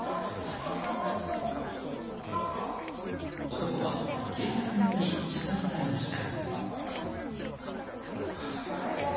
男は、警察により射殺されました。